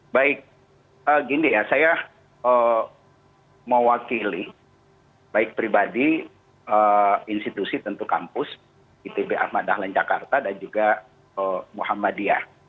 baik gini ya saya mewakili baik pribadi institusi tentu kampus itb ahmad dahlan jakarta dan juga muhammadiyah